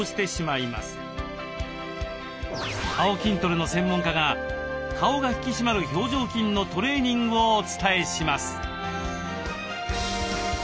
顔筋トレの専門家が顔が引き締まる表情筋のトレーニングをお伝えします。